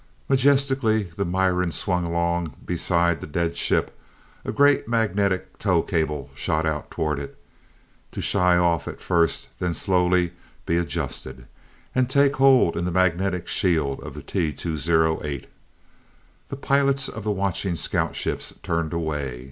Majestically the Miran swung along beside the dead ship, a great magnetic tow cable shot out toward it, to shy off at first, then slowly to be adjusted, and take hold in the magnetic shield of the T 208. The pilots of the watching scout ships turned away.